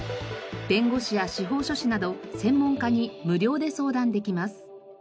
弁護士や司法書士など専門家に無料で相談できます。